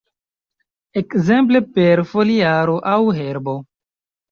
Ekzemple per foliaro aŭ herbo.